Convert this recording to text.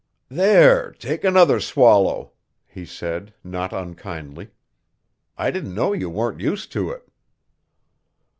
"There, take another swallow," he said, not unkindly. "I didn't know you weren't used to it."